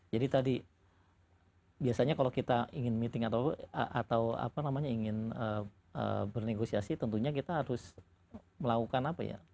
jadi tadi biasanya kalau kita ingin meeting atau apa namanya ingin bernegosiasi tentunya kita harus melakukan apa ya